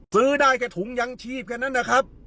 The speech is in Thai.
ซื้อได้แค่ถุงยังชีพแค่นั้นนะครับ